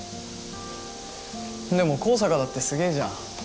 でも向坂だってすげえじゃん。